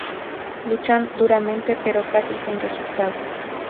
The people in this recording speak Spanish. Luchan duramente pero casi sin resultado.